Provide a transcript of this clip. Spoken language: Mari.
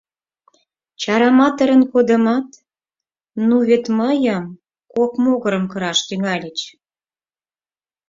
Чараматырын кодымат, ну вет мыйым кок могырым кыраш тӱҥальыч.